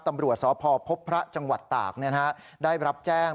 ตำรวจสพพบพระจังหวัดตากได้รับแจ้ง